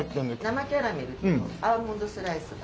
生キャラメルとアーモンドスライスが。